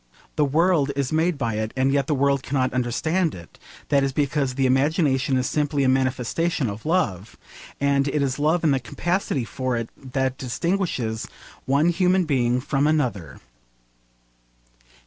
The world is made by it, and yet the world cannot understand it: that is because the imagination is simply a manifestation of love, and it is love and the capacity for it that distinguishes one human being from another.